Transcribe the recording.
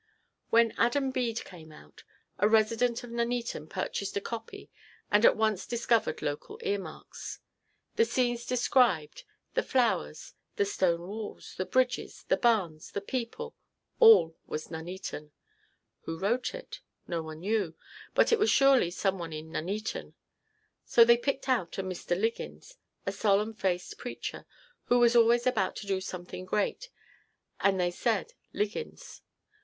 When "Adam Bede" came out, a resident of Nuneaton purchased a copy and at once discovered local earmarks. The scenes described, the flowers, the stone walls, the bridges, the barns, the people all was Nuneaton. Who wrote it? No one knew, but it was surely some one in Nuneaton. So they picked out a Mr. Liggins, a solemn faced preacher, who was always about to do something great, and they said "Liggins."